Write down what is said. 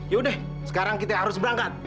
yaudah sekarang kita harus berangkat